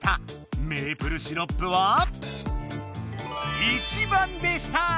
メープルシロップは１番でした！